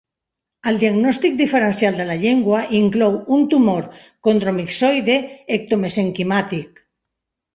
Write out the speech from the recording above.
El diagnòstic diferencial de la llengua inclou un tumor condromixoide ectomesenquimàtic.